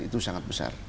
itu sangat besar